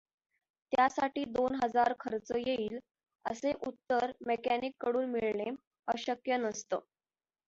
त्यासाठी दोन हजार खर्च येईल',असे उत्तर मेकॅनिक कडून मिळणे अशक्य नसतंं.